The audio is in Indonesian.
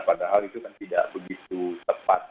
padahal itu kan tidak begitu tepat